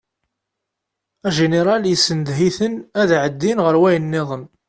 Ajiniral yessendeh-iten ad ɛeddin ɣer wayen-nniḍen.